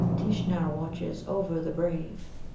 Tishnar watches over the brave."